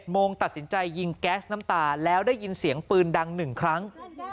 โมงตัดสินใจยิงแก๊สน้ำตาแล้วได้ยินเสียงปืนดัง๑ครั้ง